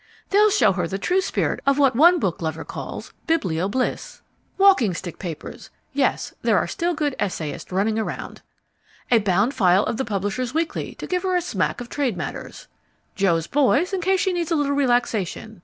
they'll show her the true spirit of what one book lover calls biblio bliss. Walking Stick Papers yes, there are still good essayists running around. A bound file of The Publishers' Weekly to give her a smack of trade matters. Jo's Boys in case she needs a little relaxation.